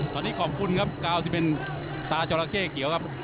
ตอนนี้ขอบคุณครับกาวที่เป็นตาจอราเข้เขียวครับ